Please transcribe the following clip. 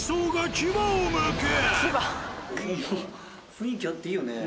雰囲気あっていいよね。